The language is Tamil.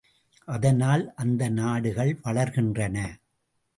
அதனால் அந்த நாடுகள் வளர்கின்றன.